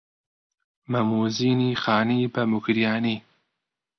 مەم و زینی خانی بە موکریانی